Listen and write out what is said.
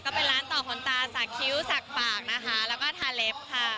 เป็นร้านต่อขนตาสักคิ้วสักปากนะคะแล้วก็ทาเล็บค่ะ